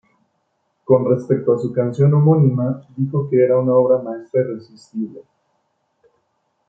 Con respecto a su canción homónima dijo que era una obra maestra irresistible.